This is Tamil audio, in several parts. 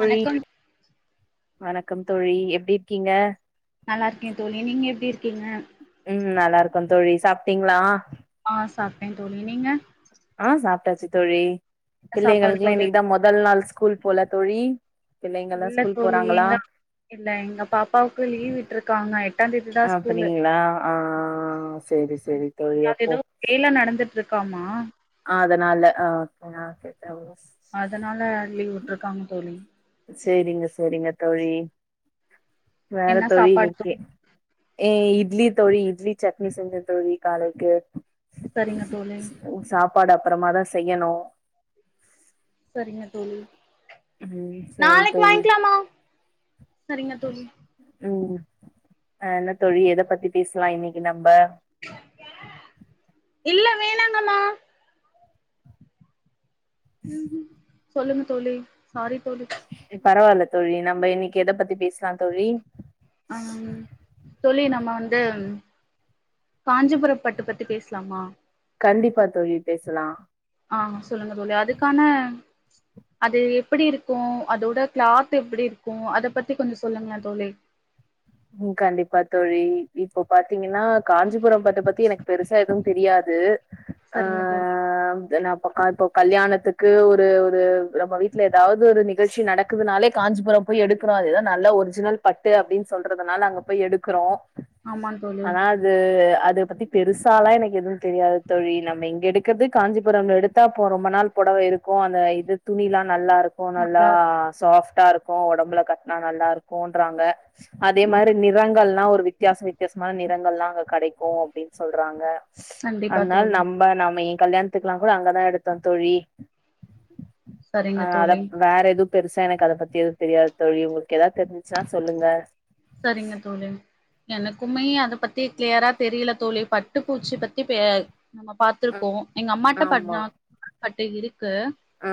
தோழி வணக்கம் வணக்கம் தோழி எப்படி இருக்கீங்க நல்லா இருக்கேன் தோழி நீங்க எப்படி இரு உம் நல்லா இரு இருக்கும் தோழி சாப்பிட்டீங்களா ஆஹ் சாப்டேன் தோழி நீங்க ஆஹ சாப்பிட்டாச்சு தோழி என்ன சாப்பாடு பிள்ளைங்களுக்குஎல்லாம் தோழி இன்னைக்குதான் முதல் நாள் ஸ்கூல் போல தோழி பிள்ளைங்கல்லா இல்ல ஸ்கூல் தோழி போறாங்களா எங்க இல்ல எங்க பாப்பாவுக்கு லீவ்விட்டு இருக்காங்க அப்டிங்களா ஆஹா செரிஸ் எ ஏதோ வேல நடந்துட்டு இருக்காமா அதனால ஆஹ் [unintelligible] அதனால லீவ் விட்டுருக்காங்க தோழி செரிங்க செரிங்க தோழி வேற என்ன தோழி சாப்பாடு தோ நிக்கிய ஏ இது இட்லி தோழி இட்லி சட்னி செஞ்சு தோழி காலைக்கு சரிங்க தோழி சாப்பாடு அப்பறமாதான் செய்யணோ சரிங்க தோழி ம் சேரி நாளைக்கு தோழி வாங்கிக்கலாமா சரிங்க தோழி உம் ஆஹ் என்ன தோழி எதை பத்தி பேசலா இன்னைக்கு நம்ம இல்ல வேணாங்கண்ணா உஹம் உஹம் சொல்லுங்க தோழி சாரி தோழி பரவாயில்ல தோழி நம இன்னைக்கு எதை பத்திச உஹம் தோழி நம்ம வந்து காஞ்சிபுர பட்டு பத்தி பேசலாமா கண்டிப்பா தோழி பேசலா ஆஹா சொல்லுங்கதோழி அதுக்கான அது எப்படி இருக்கும் அதோட கிளாத் எப்படி இருக்கும் அத பத்தி கொஞ்சம் சொல்லுங்கலதோழி உம் கண்டிப்பா தோழி இப்போ பாத்தீங்கணா ன்னா காஞ்சிபுரம் பட்டு பத்தி எனக்கு பெருசா எதுவும் தெரியாது சரிங்க தோழி ஆஹ் நான் இப்ப கல்யாணத்துக்கு ஒரு ஒரு நம்ம வீட்டுல ஏதாவது ஒரு நிகழ்ச்சி நடக்குதுனாலே காஞ்சிபுரம் போய் எடுக்குறல நல்ல ஒரிஜினல் பட்டு அப்படின் சொல்றதுனால அங்க போய் எடுக்கிறோ ஆமா தோழி ஆனா அது அது பத்தி பெருசாலா எனக்கு எதுவும் தெரியாது தோழி நம்ம இங்க எடுக்கிறது காஞ்சிபுரம்ல எடுத்தா இப்போ ரொம்ப நாள் புடவ இருக்கோ அந்த இது துணிலா நல்லா இருக்கும் நல்லா சாஃப்ட் கா இருக்கும் உடம்புல கட்டினா நல்லா இருக்கும்ன்றாங்க அதே ஆமா மாரி நிறங்கள்ளா ஒரு வித்தியச வித்தியாசமா நிறங்கள்லா கிடைக்கோ அப்டின் சொல்றாங்க கண்டிப்பா அதனால தோழி நம்ம நாம ஏ கல்யாணத்துக்குலாம் கூட அங்கதான் எடுத்தோம் தோழி ஆ சரிங்க அத தோழி வேற எதும் பெருசா எனக்கு அத பத்தி எதுவும் தெரியாது தோழி உங்களுக்கு ஏதாவது தெரிசுச்சுன்னா சொல்லுங்க செரிங்க தோழி எனக்குமே அத பத்தி கிளியரா தெரியல தோழி பட்டு பூச்சி பத்தி பே நம்ம பாத்துருக்கோம் எங்க அம்மாடா ஆமா பாத்தா பட்டைகறி க்கு ஆ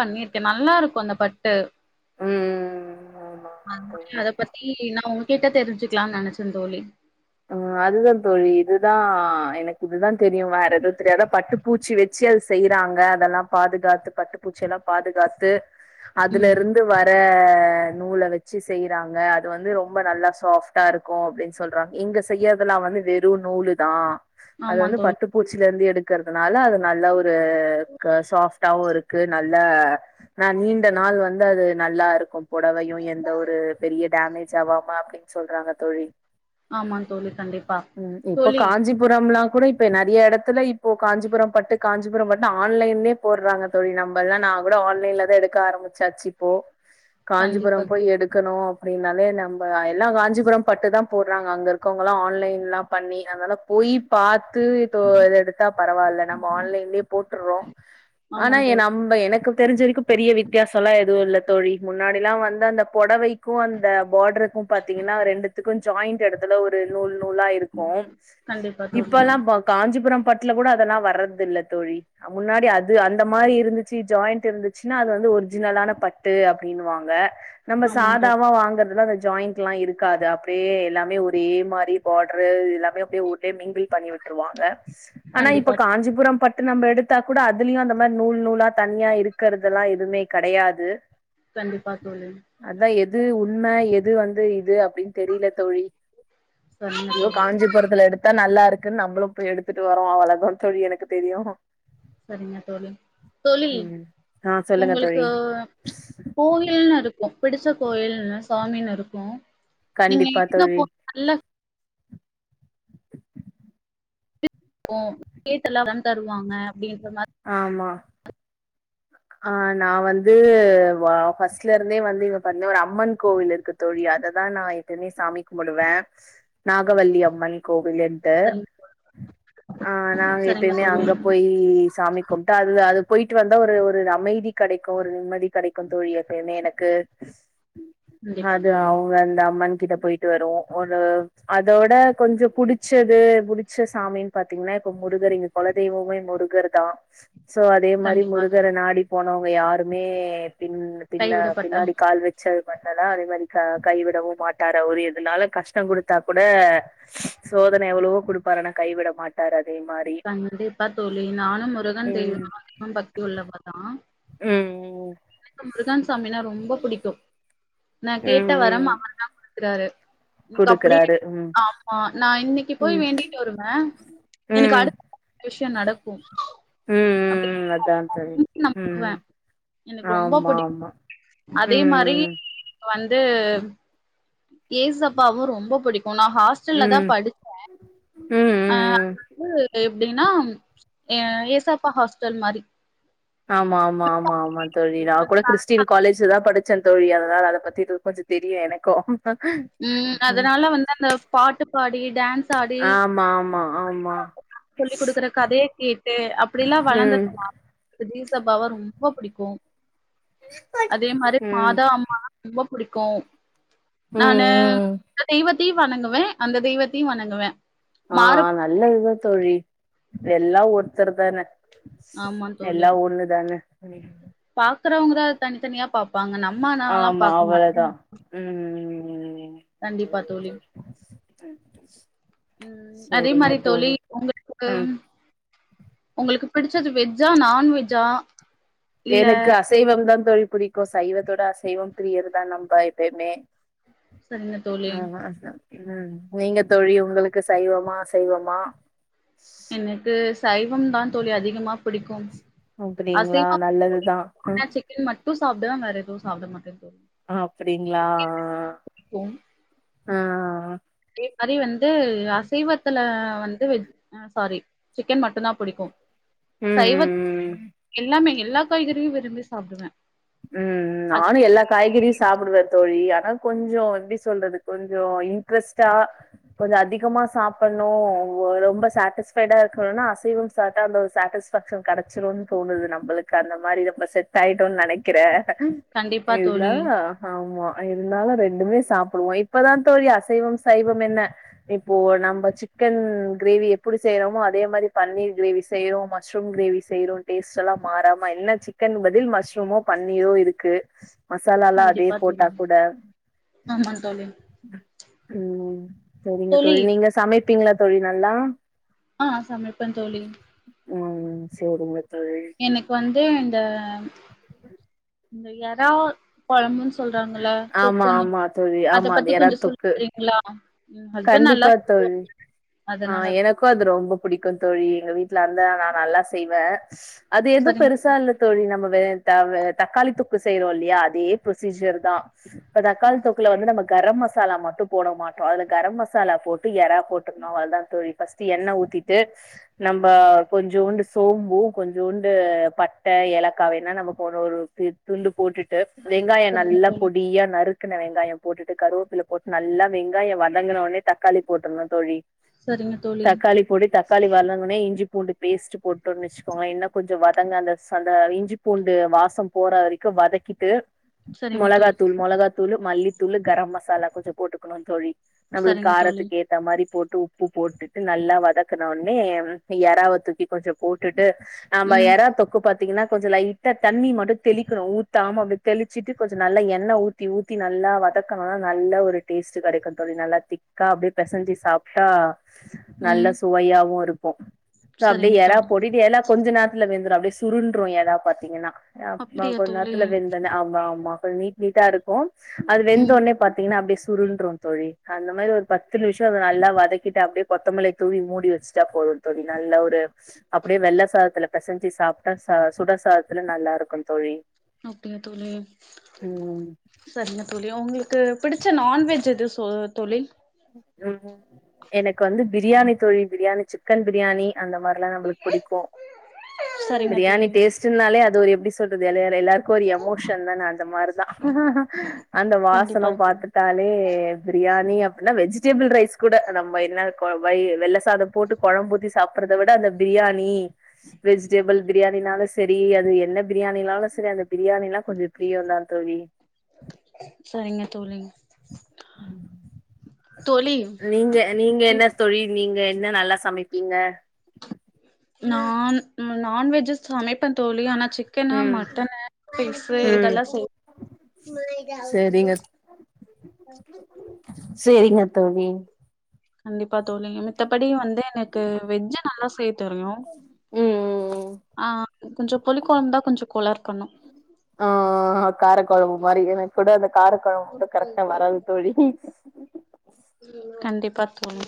பண்ணிருக்கே நல்லா இருக்கும் அந்த பட்டு உம் உம் ஆமா அத பத்தி நா கிட்ட தெரிஞ்சுக்கலான்னு நெனைச்ச தோழி ஆ அதுதா தோழி இதுதா எனக்கு இதுதா தெரியு வேற எதும் தெரியாது பட்டுப்பூச்சி வச்சு அது செய்யறாங்க அதெல்லா பாதுகாத்து பட்டுப்பூச்சிலா பாதுகாத்து அதுல ம் இருந்து வர நூல வச்சு செய்யறாங்க அது வந்து ரொம்ப நல்லா சாஃப்டா இருக்கும் அப்டின்னு சொல்றாங்க எங்க செய்யறதல்லாம் வந்து வெறும் நூலு தான் அது ஆமா வந்து தோழி பட்டு பூச்சிலருந்து எடுத்து க்கிறதுனால அது நல்ல ஒரு க சாஃப்டாவு இருக்கு நல்ல ஆ நீண்ட நாள் வந்து அது நல்லா இருக்கும் புடவையும் எந்த ஒரு பெரிய டேமேஜ் ஆவாம அப்டின்னு சொல்றாங்க தோழி ஆமாம் தோழி கண்டிப்பா ம் இப்போ தோழி காஞ்சிபுரம்லா கூட இப்ப நறைய எடத்துல இப்போ காஞ்சிபுரம் பட்டு காஞ்சிபுரம் பட்டு ஆன்லைன்லயே போடுறாங்க தோழி நம்பல்லா நா கூட ஆன்லைன்லதா எடுக்க ஆரம்பிச்சாச்சு இப்போ கண்டிப்பா காஞ்சிபுரம் போய் தோழி எடுக்கணு அப்டின்னாலே நம்ப எல்லா காஞ்சிபுரம் பட்டுதா போட் றா அங்க இருக்கவங்கலாம் ஆன்லைன்லாம் பண்ணி அதனால போய் பாத்து த்து ஏதோ எடுத்தா பரவால்ல நம்ம ஆன்லைன்லயே போட்டுர்றோ ஆமா ஆனா தோழி நம்ம எனக்கு தெரிஞ்ச வரைக்கு பெரிய வித்தியாசம்லா எதுவு இல்ல தோழி முன்னாடில்லாம் வந்து அந்த பொடவைக்கு அந்த பார்டருக்கு பாத்தீங்கன்னா ரெண்டுத்துக்கும் ஜாயிண்ட் எடத்துல ஒரு நூல் நூலா இருக்கும் கண்டிப்பா தோழி இப்பலாம் காஞ்சிபுரம் பட்டுல கூட அதெல்லாம் வர்றது இல்ல தோழி முன்னாடி அது அந்த மாரி இருந்துச்சு ஜாயிண்ட் இருந்துச்சுன்னா அது வந்து ஒரிஜினலான பட்டு அப்டின்னுவாங்க நம்ம ஆமா தோழி சாதாவா வாங்குறது ல்ல அந்த ஜாயிண்ட்லா இருக்காது அப் அப்படியே எல்லாமே ஒரே மாரி பாட்ரு இல்லா அப்டியே அப்டியே ஊர்லே மீன்பில் பண்ணி விட்ருவாங்க ஆனா கண்டிப்பா இப்ப காஞ்சிபுரம் பட்டு நம்ப எடுத் இருந்தா கூட அதுலயும் அந்த மாரி நூல் நூலா தண்ணியா இருக்கறதெல்லாம் எதுவுமே கெடயாது கண்டிப்பா தோழி அதான் எது உண்மா எத் இது வந்து இது தெரியல தோழி சரிங்க எதோ தோழி காஞ்சிபுரத்துல எடுத்தா நல்லா இருக் குன் நம்மளும் போய் எடுத்துட்டு வரோ அவ்ளதா தோழி எனக்கு தெரியு சரிங்க தோழி தோழி ம் ஆ சொல்லுங்க தோழி உங்களுக்கு கோயில்னுருக் ஒ பிடிச்ச கோயில் சாமின்னு இருக்கும் கண்டிப்பா தோழி ஓ கேட்டலதலாதா தருவாங்க அப்படின் ஆமா ஆஹ் நா வந்து ஃபஸ்ட்ல இருந்தே வந்து இங்க ஒரு அம்மன் கோவில் இருக்கு தோழி அததான் நான் எப்பவுமே சாமி முடுவேன் நாகவல்லி அம்மன் கோவில்ன்ட்டு சரிங்க தோழி ஆஹ் நாங்க சரிங்க எப்பயுமே தோழி அங்க போய் சாமி கிட்டா அது அது போயிட்டு வந்தா ஒரு ஒரு அமைதி கெடைக்கு ஒரு நிம்மதி கெடைக்கு தோழி எப்பயுமே எனக்கு கண்டிப்பா அது தோழி அவுங்கந்த அம்மன் கிட போயிட்டு வரு ஒரு அதோட கொஞ்ச புடுச்சது புடுச்ச சாமின்னு பாத்தீங்கனா இப்ப முருகர் இங்க கொலதெய்வமே முருகர் தா சோ அதே மாரி கண்டிப்பா முரு வெற தோழி நாடி போனவுங்க யாருமே பின் பின்ன கைவிடப்பட்ட பின்னாடி கால் வச்சு [unintelligible] அதே மாரி க கைவிடவு மாட்டாரு அவுரு எதுனாலு கஷ்டங்குடுத்தா கூட சோதன எவ்ளவோ குடுப்பாரு ஆனா கைவிட மாட்டாரு அதே மாரி கண்டிப்பா தோழி நானும் முருகன் ம் தெய்வ பக்தி எல்ல [unintelligible] ம் ம் எனக்கு முருதான் [unintelligible] சாமினா ரொம்ப புடிக்கும் நா கேட்ட ம் வரம் ம் அவர் தா குடு குறாரு அப்படியே குடுக்குறாரு ம் ஆமா நான் இன்னைக்கு போய் ம் வேண்டிட்டு வருவேன் எனக்கு ம் ம் அடுத்த விஷ்ய நடக்கு உம் அதா தோழி உம் எனக்கு ரொம்ப ஆமா பிடிக்கும். ஆமா அதே மாரி ம் வந்து ஏசு அப்பாவும் ரொம்ப புடிக்கும் நான் ம் ஹாஸ்டல்ல தான் ம் படிச்சேன் ம் ம் அதாவுது இப்டி னா ஏசப்பா ஹாஸ்டல் மாரி ஆமா ஆமா ஆமா ஆமா தோழி நான் கூட கிறிஸ்டின் காலேஜ்ல தான் படிச்சேன் தோழி அதுனால அதை பத்தி கொஞ்சம் தெரியும் எனக்கும் உம் அதனால வந்து அந்த பாட்டு பாடி டான்ஸ் ஆடி ஆமா ஆமா ஆமா சொல்லிக் கொடுக்குற கதையை கேட்டு அப்படிலாம் ம் வளந்ததுல ஏசப்பாவா ரொம்ப புடிக்கும் அதே மாரி ம் ம் மாதா அம்மா ரொம்ப புடிக்கும் நான் ம் அந்த தெய் வத் த்தையும் வணங்குவேன் அந்த தெய்வத்தையும் வணங்குவேன் ஆஹ மாறுப நல்லதுதான் தோழி எல்லாம் ஒருத்தர் தானே எல்லா ஒன்னுதானே [inaudible] பாக்குறவங்கதான் தனித்தனியா பாப்பாங்க நம்ம ஆனாலாம் ஆமா பாக்க மாட்டோம். அவ்வளவுதான் உம் [inaudible] கண்டிப்பா உம் அதே மாரி தோழி உங்களுக்கு ம் உங்களுக்கு பிடிச்சது வெஜ்ஜா நான்வெஜ்ஜா இல்ல எனக்கு அசைவம் தான் தோழி புடிக்கும் சைவத்தோட அசைவம் பிரியர்தான் நம்ம எப்பயுமே சரிங்க தோழி உம் நீங்க தோழி உங்களுக்கு சைவமா அசைவமா எனக்கு சைய் தான் தோழி அதிகமா பிடிக்கும் அப்டிங்களா அசைவ நல்லதுதா புடிக்கு சிக்கன் மட்டும் சாப்புடுவேன் வேற எதும் சாப்ட மாட்டே தோழி அப்புடிங்கிளா கும் ஆஹ அதே மாரி வந்து சீவத்துல வந்து வெஜ் ஹ சாரி சிக்கன் மட்டும் தான் புடிக்கும் ம் ம் சைவத் ம் எல்லாமே எல்லா காய்கறியும் விரும்பி சாப்பிடுவேன் உம் நானும் எல்லா காய்கறியும் சாப்பிடுவேன் தோழி ஆன கொஞ்சோ எப்டி சொல்றது கொஞ்சோ இன்ட்ரெஸ்டா கொஞ்சோ அதிகமா சாப்புடணும் ரொம்ப ஷாட்டிஸ் ஃபைடா இருக்கணும்னா அசைவம் சாப்ட அந்த ஒரு ஷாட்டிஸ்ஃபேஷன் கெடைச்சிடும் தோனுது நம்மளுக்கு அந்த மாதிரி செட் ஆயிடும்னு நெனை க்கிறேன் கண்டிப்பா இல்ல தோழி ஆமா ஆமா இருந்தாலும் ரெண்டுமே சாப்புடுவோம் இப்பதான் தோழி அசைவம் சைவம் என்ன இப்போ நம்ம சிக்கன் கிரேவி எப்படி செய்யறோமோ அதே மாதிரி பன்னீர் கிரேவி செய்யறோம் மஷ்ரூம் கிரேவி செய்றோம் டேஸ்ட் எல்லாம் மாறாம என்ன சிக்கன் பதில் மஷ்ரூமோ பன்னீரும் இருக்கு மசலால்லாம் அதே கண்டிப்பா போட்டா தோழி கூட ஆமா தோழி உம் செரிங்க தோழி நீங்க சமைப்பீங்களா தோழி நல்லா ஆஹ் சமைப்ப தோழி உம் செரிங்க தோழி எனக்கு வந்து இந்த இந்த இறா கொழம்பு சொல்றாங்கள ஆமா தூக்கன்னு ஆமா தோழி அத ஆமா பத்தி அது எறா கொஞ்சோ தொக்கு சொல்றீங்களா என் ஹஸ்பண்ட் நல்லா கண்டிப்பா தோழி சாப்டுவாங்க ஆஹ் அதனால எனக்கும் அது ரொம்ப பிடிக்கும் தோழி எங்க வீட்டு ந்து நான் நல்லா செய்வேன் அது எதுவும் சரிங்க பெருசா இல்ல தோழி நம்ம வேற தக்காளி தொக்கு செய்றோம் இல்லையா அதே ப்ரொசீஜர் தான் இப்ப தக்காளி தொக்குல வந்து நம்ம கரம் மசாலா மட்டும் போட மாட்டோம் அத கரம் மசாலா போட்டு எறா போட்டுக்கணும் அதுதான் தோழி ஃபஸ்ட் எண்ணெ ஊத்திட்டு நம்ம கொஞ்சோண்டு சோம்பும் கொஞ்சோண்டு பட்டை ஏலக்காய் வேனா நம்மக்கு ஒன்று ஒரு துண்டு போட்டுட்டு வெங்காயம் நல்லா தோழி பொடியா நறு வெங்காயம் போட்டுட்டு கருவேப்பில போட்டு நல்லா வெங்காயம் வதக் வதங்குனனோடனே தக்காளி போட்டுடணும் தோழி செரிங்க தோழி தக்காளி பொடி தக்காளி வதங்கனே இஞ்சி பூண்டு பேஸ்ட் போட்டோனு வச்சுக்கோங்க இன்னு கொஞ்சோ வதங்க அந்த அந்த இஞ்சி பூண்டு வாசம் போற வரைக்கும் வதக்கிட்டு சரிங்க தோழி மொளாகத்தூள் மொளாகா தூளு மல்லித்தூளு கரம் மசாலா கொஞ்சோ போட்டுக்கணும்னு தோழி நம்மளுக்கு சரிங்க தோழி சரிங்க தோழி காரத்துக்கு ஏத்த மாதிரி போட்டு உப்பு போட்டுட்டு நல்லா வதக்குநோனே எறாவ தூக்கி கொஞ்ச போட் நம ம் எறா தொக்கு பத்து கொஞ்ச லைட்ட தண்ணி மட்டும் தெளிக்கணும் ஊத்தமா தெளிச்சிட்டு கொஞ்ச நல்ல எண்ணய் ஊத்தி ஊத்தி நல்லா வதக்கண நல்ல ஒரு டேஸ்ட் கிடைக்கும் நல்லா திக்கா அப்டியே பெஞ்சி சாப்டா நல்ல ம் சுவையாவும் இருக்கும் போ சரிங்க அப்டியே எறா தோழி போடியெல்லா கொஞ்ச நேத்துல வெந்துரும் அப்டியே சுருண்டும் எறா பாத்தீங்கன்னா ஆமா அப்டியா கொஞ்ச தோழி நேரத்துல வெந்தன ஆமா-ஆமா மாச்சா நீட் நீட்டா இருக்கும். அது ம் வெந்தோனே பாத்தீங்கன்னா அப்படிசு சுருண்டுரு. தோழி அந்த மாதிரி ஒரு பத்து நிமிஷம் அத நல்லா வதக்கிட்டு அப்படியே கொத்தமல்லி தூவி மூடி வச்சுட்டா போதும் தோழி நல்லா ஒரு ஷ் அப்படியே வெள்ள சாதத்துல பெசஞ்சி சாப்பிட்டா ச சுடசாதத்துல நல்லா இருக்கும் தோழி. அப்படியா தோழி ம் சரிங்க தோழி உங்களுக். உனக்கு பிடிச்ச நான்வெஜ் எது சே தோழி உஹம் எனக்கு. வந்து பிரியாணி தோழி பிரியாணி. சிக்கன் பிரியாணி அந்த மாரி. இதெல்லா நம்மளுக்கு பிடிக்கும். சரிங்க பிரியாணி தோழி டேஸ்ட்டுனாலே அது. எந்த ஒரு எப்படி சொல்றது இடைல எல்லாரு. க்கு ஒரு எமோஷன் தான அந்த மாதிரிதான் ஹஹேஹ அந்த கண்டிப்பா வாசனம் தோழி பாத்துட்டாலே பிரியாணி. வெஜிடபிள் ரைஸ் கூட நம்ம என்ன கோ வை வெள்ள சாதம் போட்டு குழம்பூத்தி சாப்பறத விட அந்த பிரியாணி. வெஜிட்டேபல். பிரியாணினாலும் சேரி அது என்ன பிரியாணினாலும் சேரி அந்த பிரியாணினா கொஞ்சம் பிரியம் தான் தோழி. சரிங்க தோழி. தோழி நீங்க நீங்க இப் என்ன தோழி. நீங்க என்ன நல்லா சமைப்பீங்க. நான் நான்வெஜ்யு சமைப்பன் தோழி ஆனா. சிக்கனு ம் மட்டனு பீப்வு ம் இதெல்லாம் செய். மா இது அவுத்துடு. சரிங்க மா அவுத்துடு. சேரிங்க தோழி. கண்டிப்பா தோழி மித்தபடி வந்து எனக்கு வெஜ்ஜி நல்லா செய்ய தெரியும் ம் ம் ஆஹ் கொஞ்சம் பொலுக்கோ இருந்தா கொஞ்சம் கோளாரு பண்ணும். ஹாஹா காரக்கொழம்பு மாரி எனக்கூட அந்த. கார கொழம்பு மட்டும் கரெக்டா வராது தோழி உஹஹம். [unintelligible] கண்டிப்பா தோணு.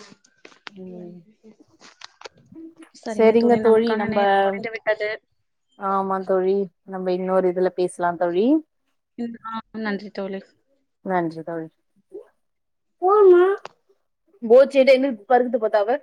ம் சரிங்க செரிங்க தோழி நமக்கான நம்ப நேரம் முடிந்து விட்டது. ஆமா தோழி நம்ம இன்னொரு இதுல பேசலாம் தோழி. ம் ஆஹ நன்றி தோழி. ஹ. போமா போச்சுட்டு எங்க பருகுது பதாவ.